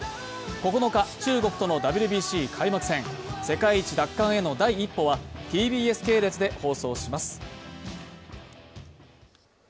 ９日中国とのＷＢＣ開幕戦、世界一奪還への第一歩はＴＢＳ系列で放送します。